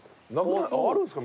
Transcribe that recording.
あるんですか？